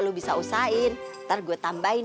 lu bisa usahain ntar gua tambahin